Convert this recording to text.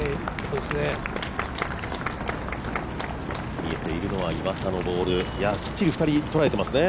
見えているのは岩田のボール、きっちり２人、捉えてますね。